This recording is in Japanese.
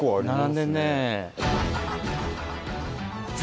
並んでるね。